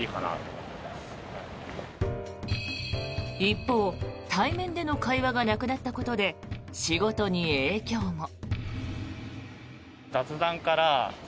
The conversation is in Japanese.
一方、対面での会話がなくなったことで仕事に影響も。